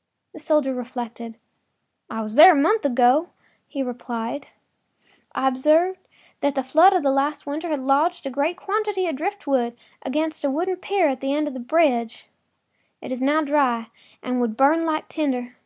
” The soldier reflected. “I was there a month ago,” he replied. “I observed that the flood of last winter had lodged a great quantity of driftwood against the wooden pier at this end of the bridge. It is now dry and would burn like tinder.